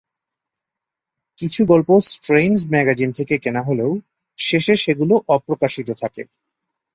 কিছু গল্প strange magazine থেকে কেনা হলেও শেষে সেগুলো অপ্রকাশিত থাকে।